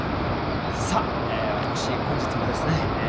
さあ私本日もですね